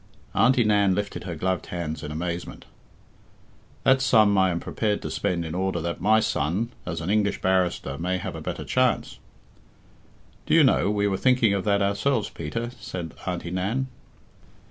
Auntie Nan lifted her gloved hands in amazement. "That sum I am prepared to spend in order that my son, as an English barrister, may have a better chance " "Do you know, we were thinking of that ourselves, Peter?" said Auntie Nan.